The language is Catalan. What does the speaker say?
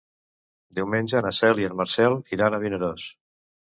Diumenge na Cel i en Marcel iran a Vinaròs.